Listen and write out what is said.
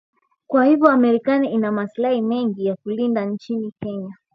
kwa hivyo Marekani ina maslahi mengi ya kulinda nchini Kenya